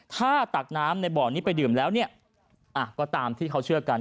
ถ้าตักน้ำในบ่อนี้ไปดื่มแล้วเนี่ยก็ตามที่เขาเชื่อกัน